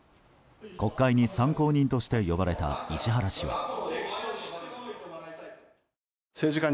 国会に参考人として呼ばれた石原氏は。